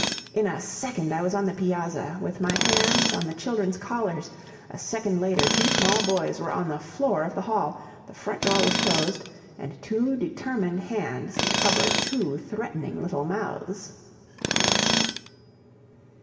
In a second I was on the piazza, with my hands on the children's collars; a second later two small boys were on the floor of the hall, the front door was closed, and two determined hands covered two threatening little mouths.